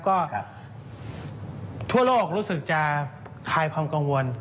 ก็ทั่วโลกรู้สึกจะคลายความกังวล